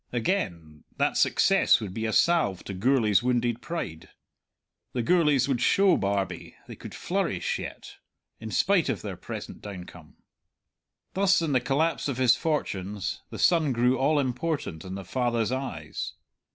Again, that success would be a salve to Gourlay's wounded pride; the Gourlays would show Barbie they could flourish yet, in spite of their present downcome. Thus, in the collapse of his fortunes, the son grew all important in the father's eyes.